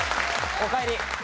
おかえり。